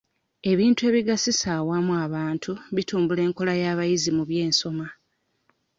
Ebintu ebigasiza awamu abantu bitumbula enkola y'abayizi mu by'ensoma.